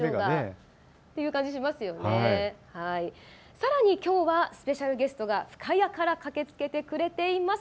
さらに、きょうはスペシャルゲストが深谷から駆けつけてくれています。